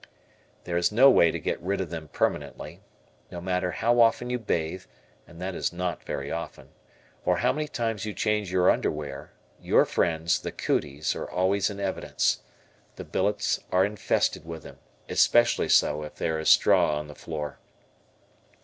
There is no way to get rid of them permanently. No matter how often you bathe, and that is not very often, or how many times you change your underwear, your friends, the "cooties" are always in evidence. The billets are infested with them, especially so, if there is straw on the floor.